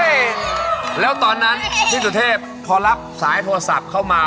นี่แล้วตอนนั้นพี่สุเทพพอรับสายโทรศัพท์เข้ามา